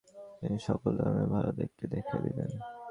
তিনি সকল ধর্মের ভাল দিকটাই দেখাইয়া দিতেন।